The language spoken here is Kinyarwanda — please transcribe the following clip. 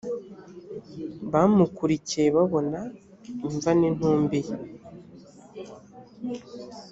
bamukurikiye babona imva n intumbi ye